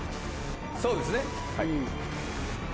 そうですね。